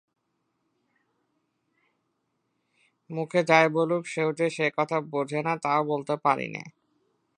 মুখে যাই বলুক সেও যে সে কথা বোঝে না তাও বলতে পারি নে।